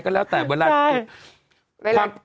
ก็แล้วแต่เวลา